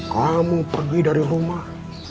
kamu pergi dari rumah